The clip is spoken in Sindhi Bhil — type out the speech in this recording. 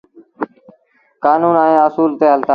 ڪآنون ائيٚݩ اسول تي هلتآ۔